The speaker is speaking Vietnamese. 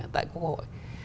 tại quốc hội